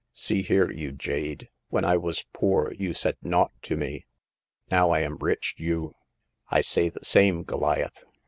See here, you jade, when I was poor you said naught to me ; now I am rich you "" I say the same, Goliath.